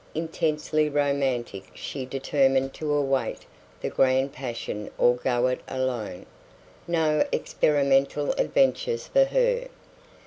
Intensely romantic, she determined to await the grand passion or go it alone. No experimental adventures for her.